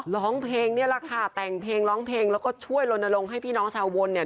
ร้องเพลงนี่แหละค่ะแต่งเพลงร้องเพลงแล้วก็ช่วยลนลงให้พี่น้องชาววนเนี่ย